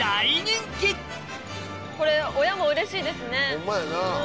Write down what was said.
ホンマやな。